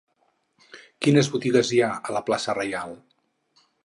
Quines botigues hi ha a la plaça Reial?